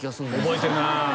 覚えてるな。